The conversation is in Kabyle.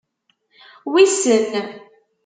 Wissen!